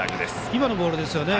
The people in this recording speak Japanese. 今のボールですね。